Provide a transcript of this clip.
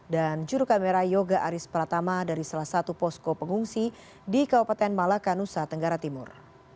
dan jurukamera yoga aris pratama dari salah satu posko pengungsi di kabupaten malaka nusa tenggara timur